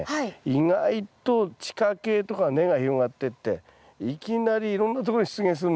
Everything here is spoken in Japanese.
意外と地下茎とか根が広がってっていきなりいろんなとこに出現するんですよ。